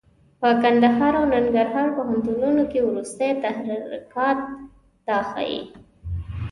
په کندهار او ننګرهار پوهنتونونو کې وروستي تحرکات دا ښيي.